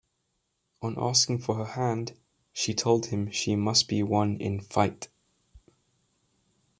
On asking for her hand, she told him she must be won in fight.